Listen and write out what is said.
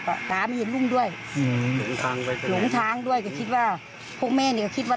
ก็เลยยิงสวนไปแล้วถูกเจ้าหน้าที่เสียชีวิต